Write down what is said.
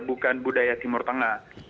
bukan budaya timur tengah